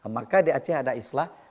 maka di aceh ada islah